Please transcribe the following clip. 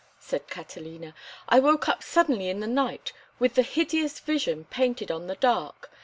said Catalina. "I woke up suddenly in the night with the hideous vision painted on the dark.